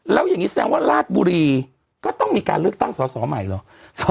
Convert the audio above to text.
แล้วอย่างนี้แสดงว่าราชบุรีก็ต้องมีการเลือกตั้งสอสอใหม่เหรอ